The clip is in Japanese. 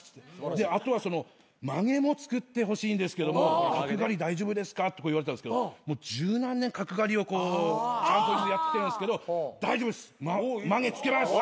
であとはまげも作ってほしいんですけど角刈り大丈夫ですか？とか言われたんですけどもう十何年角刈りをやってきてるんですけど大丈夫ですまげ着けます。